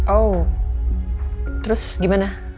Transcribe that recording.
oh terus gimana